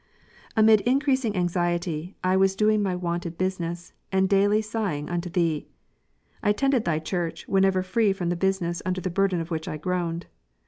Amid increasing anxiety, I was doing my wonted business, and daily sighing unto Thee. I attended Thy Church, wlienever free from the business under the burden of which I groaned.